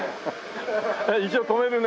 一応止めるね。